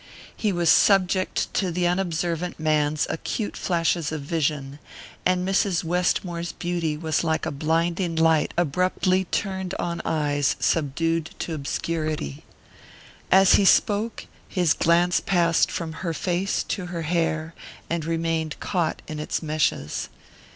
He was subject to the unobservant man's acute flashes of vision, and Mrs. Westmore's beauty was like a blinding light abruptly turned on eyes subdued to obscurity. As he spoke, his glance passed from her face to her hair, and remained caught in its meshes.